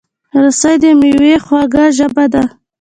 رس د مېوې خوږه ژبه ده